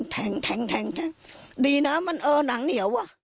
แทงดีนะมันเออหนังเหงียว